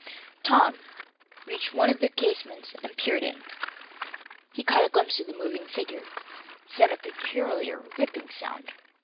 Tom reached one of the casements, and peered in. He caught a glimpse of a moving figure, and he heard a peculiar ripping sound.